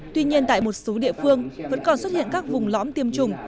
tuy nhiên tại một số địa phương vẫn còn xuất hiện các vùng lõm tiêm chủng